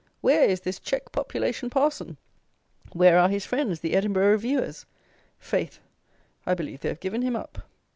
Where is this check population parson? Where are his friends, the Edinburgh Reviewers? Faith, I believe they have given him up.